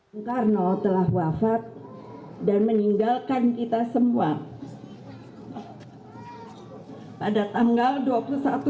bung karno telah wafat dan meninggalkan kita semua pada tanggal dua puluh satu juni seribu sembilan ratus tujuh puluh yang lampau